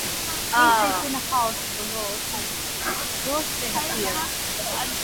He sits in the House of Lords as a crossbench peer.